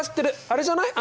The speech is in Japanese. あれじゃない？